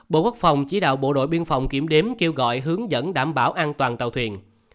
bộ quốc phòng chỉ đạo bộ đội biên phòng kiểm đếm kêu gọi hướng dẫn đảm bảo an toàn tàu thuyền